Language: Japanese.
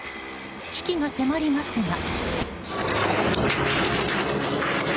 危機が迫りますが。